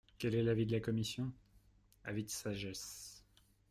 Quel est l’avis de la commission ? Avis de sagesse.